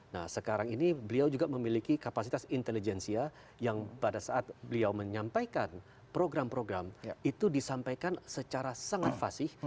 nah sekarang ini beliau juga memiliki kapasitas intelijensia yang pada saat beliau menyampaikan program program itu disampaikan secara sangat fasih